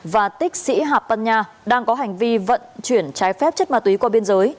và tích sĩ hạ pan nha đang có hành vi vận chuyển trái phép chất ma túy qua biên giới